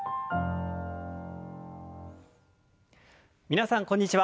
皆さんこんにちは。